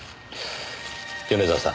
米沢さん。